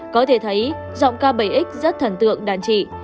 có thể thấy giọng ca bảy x rất thần tượng đàn trị